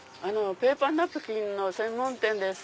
ペーパーナプキンの専門店です。